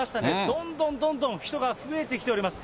どんどんどんどん、人が増えております。